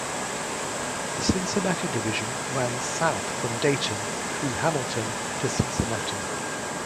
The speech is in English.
The Cincinnati Division ran south from Dayton through Hamilton to Cincinnati.